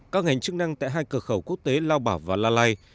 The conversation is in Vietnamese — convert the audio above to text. các ngành chức năng tại hai cửa khẩu quốc tế lao bảo và la lai